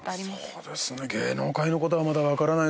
そうですね芸能界のことはまだ分からないんですけど